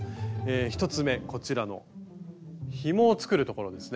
１つ目こちらの「ひもを作る」ところですね。